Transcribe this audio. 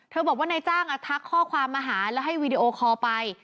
บอกว่านายจ้างทักข้อความมาหาแล้วให้วีดีโอคอลไป